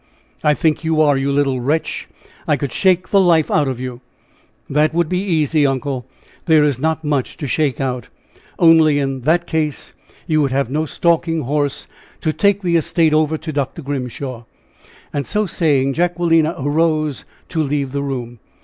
"I think you are, you little wretch! I could shake the life out of you!" "That would be easy, uncle! There is not much to shake out. Only, in that case, you would have no stalking horse to take the estate over to Dr. Grimshaw." And so saying, Jacquelina arose to leave the room.